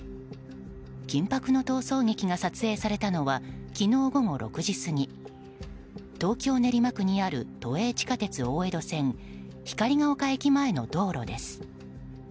緊迫の逃走劇が撮影されたのは昨日午後６時過ぎ東京・練馬区にある都営地下鉄大江戸線光が丘駅前の道路です。